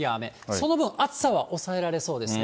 その分、暑さは抑えられそうですね。